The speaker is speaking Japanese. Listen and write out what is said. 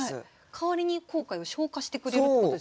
代わりに後悔を昇華してくれるってことですよね。